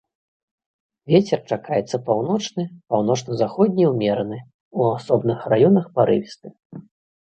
Вецер чакаецца паўночны, паўночна-заходні ўмераны, у асобных раёнах парывісты.